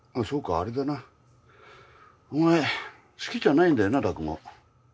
あれだなお前好きじゃないんだよな落語。